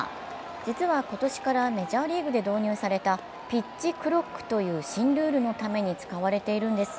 実は、今年からメジャーリーグで導入されたピッチクロックという新ルールのために使われているんです。